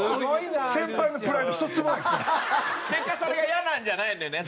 結果それが嫌なんじゃないんだよね。